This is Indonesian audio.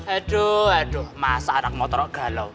aduh aduh masa anak motor galau